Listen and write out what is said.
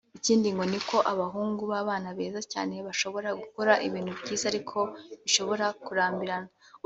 Ikindi ni uko abahungu b’abana beza cyane bashobora gukora ibintu byiza ariko bishobora kurambirana